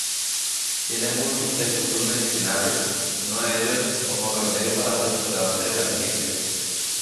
Tiene múltiples usos medicinales, uno de ellos como remedio para recuperarse de la gripe.